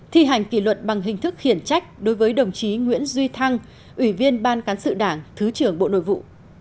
thi hành kỷ luật bằng hình thức khiển trách đối với đồng chí nguyễn duy thăng ủy viên ban cán sự đảng thứ trưởng bộ nội vụ